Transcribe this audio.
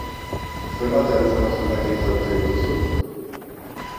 Zenbat telefono zenbaki ezagutzen dituzu?